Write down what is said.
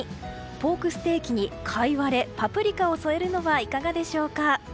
ポークステーキに、かいわれパプリカを添えるのはいかがでしょうか。